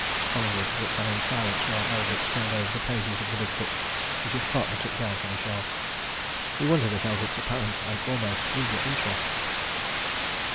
Collingwood looked on in silence while Eldrick turned over the pages of the big book which his partner took down from a shelf. He wondered at Eldrick's apparent and almost eager interest.